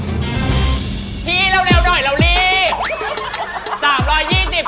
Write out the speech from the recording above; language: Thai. พี่เร็วหน่อยเรารีบ